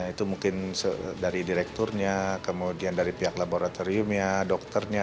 itu mungkin dari direkturnya kemudian dari pihak laboratoriumnya dokternya